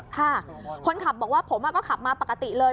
ค่ะคนขับบอกว่าผมก็ขับมาปกติเลย